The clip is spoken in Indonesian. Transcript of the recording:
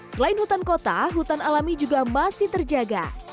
selain hutan kota hutan alami juga masih terjaga